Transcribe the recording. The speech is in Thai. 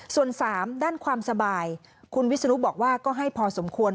ส่วน๓ด้านความสบายคุณวิศนุบอกว่าก็ให้พอสมควร